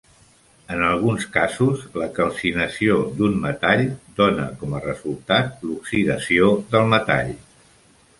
En alguns casos, la calcinació d'un metall dona com a resultat l'oxidació del metall.